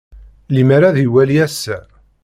Limer ad iwali ass-a.